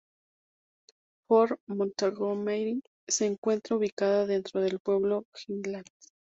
Fort Montgomery se encuentra ubicada dentro del pueblo de Highlands.